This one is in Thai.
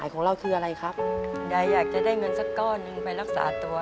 ยายอยากจะได้เงินสักก้อนหนึ่งไปรักษาตัว